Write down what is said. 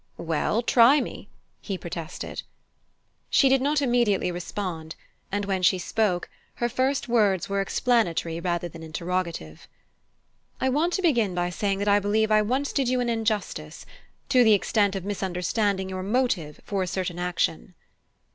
"Well, try me," he protested. She did not immediately respond; and when she spoke, her first words were explanatory rather than interrogative. "I want to begin by saying that I believe I once did you an injustice, to the extent of misunderstanding your motive for a certain action."